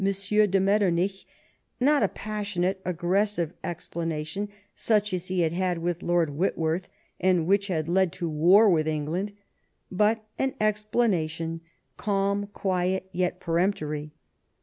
de Metternich, not a passionate, aggressive explanation, such as he had had with Lord Whitworth, and which had led to war with England, but an explanation, calm, quiet, yet peremptory.